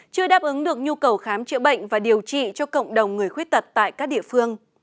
chưa đáp ứng được nhu cầu khám chữa bệnh và điều trị cho cộng đồng người khuyết tật tại các địa phương